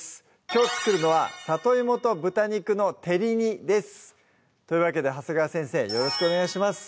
きょう作るのは「里芋と豚肉の照り煮」ですというわけで長谷川先生よろしくお願いします